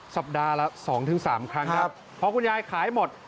สัปดาห์ละ๒๓ครั้งครับพอคุณยายขายหมด